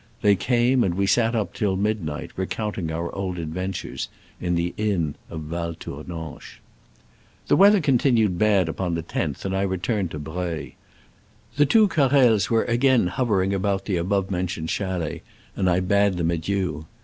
They came, and we sat up till midnight, recounting our old ad ventures, in the inn of Val Tournanche. The weather continued bad upon the loth, and I returned to Breuil. The two Carrels were again hovering about the above mentioned chalet, and I bade them adieu.